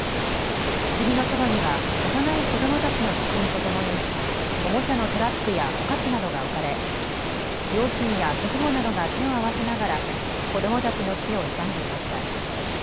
ひつぎのそばには幼い子どもたちの写真とともにおもちゃのトラックやお菓子などが置かれ両親や祖父母などが手を合わせながら子どもたちの死を悼んでいました。